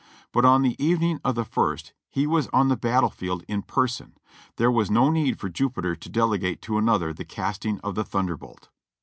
But on the evening of the ist he was on the battle field in person; there was no need for Jupiter to delegate to another the casting of the thunderbolt.